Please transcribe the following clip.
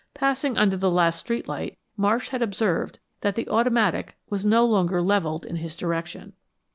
Passing under the last street light, Marsh had observed that the automatic was no longer leveled in his direction.